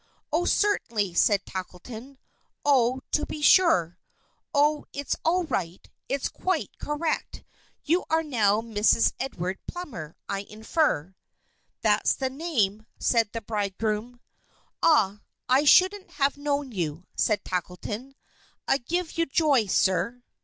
"Oh, certainly," said Tackleton. "Oh, to be sure! Oh, it's all right, it's quite correct. You are now Mrs. Edward Plummer, I infer?" "That's the name," said the bridegroom. "Ah, I shouldn't have known you," said Tackleton. "I give you joy, sir."